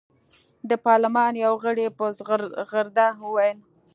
د پارلمان یوه غړي په زغرده وویل.